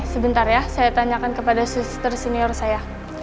sebentar ya saya tanyakan kepada suster senior saya